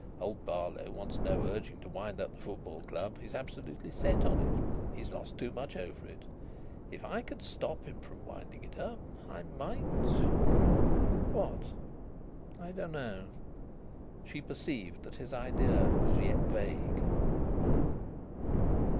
Old Barlow wants no urging on to wind up the Football Club. He's absolutely set on it. He's lost too much over it. If I could stop him from winding it up, I might...." "What?" "I dunno." She perceived that his idea was yet vague.